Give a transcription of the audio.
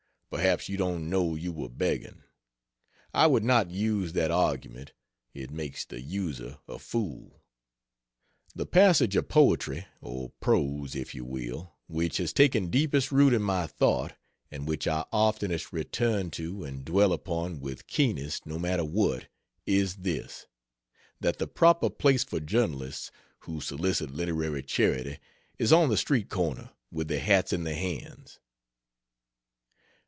Perhaps you didn't know you were begging. I would not use that argument it makes the user a fool. The passage of poetry or prose, if you will which has taken deepest root in my thought, and which I oftenest return to and dwell upon with keenest no matter what, is this: That the proper place for journalists who solicit literary charity is on the street corner with their hats in their hands.